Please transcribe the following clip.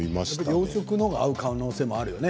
洋食の方が合う可能性もあるよね。